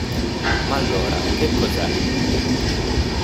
Ma allora, che cos'è?